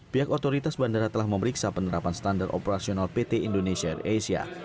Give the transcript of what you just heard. pihak otoritas bandara telah memeriksa penerapan standar operasional pt indonesia air asia